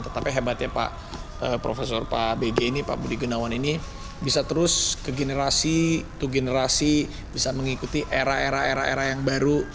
tetapi hebatnya pak profesor pak bg ini pak budi gunawan ini bisa terus ke generasi to generasi bisa mengikuti era era era era yang baru